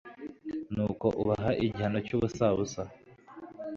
nuko ubaha igihano cy'ubusabusa